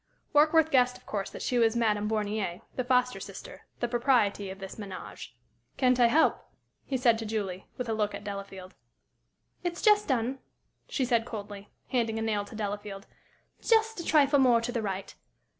Warkworth guessed, of course, that she was Madame Bornier, the foster sister the "Propriety" of this ménage. "Can't I help?" he said to Julie, with a look at Delafield. "It's just done," she said, coldly, handing a nail to Delafield. "Just a trifle more to the right.